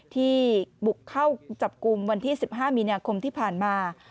ที่บุกเข้าจับกลุ่มวันที่๑๕มีนาคมที่ผ่านมา